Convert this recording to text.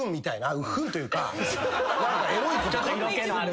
うっふんというか何かエロいこと書く。